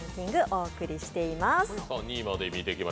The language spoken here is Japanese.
お送りしています。